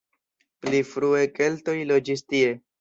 Pli frue keltoj loĝis tie.